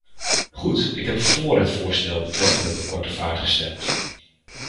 Goed, ik heb voor het voorstel betreffende de korte vaart gestemd.